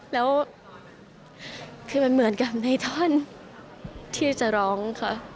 แล้วคือมันเหมือนกับในท่อนที่จะร้องค่ะ